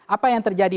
apa yang terjadi